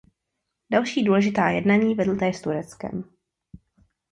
Další důležitá jednání vedl též s Tureckem.